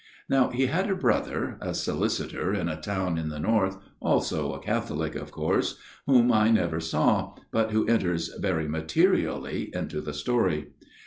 " Now he had a brother, a solicitor in a town in the north, also a Catholic, of course, MONSIGNOR MAXWELL'S TALE 17 never saw, but who enters very materially into the story.